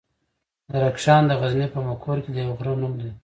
زرکشان دغزني پهمفر کې د يوۀ غرۀ نوم دی.